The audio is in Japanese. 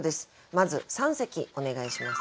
まず三席お願いします。